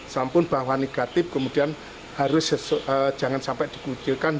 sampun bahwa negatif kemudian harus jangan sampai dikucilkan